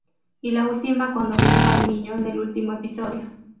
Y la última cuando viola a un niño en el último episodio.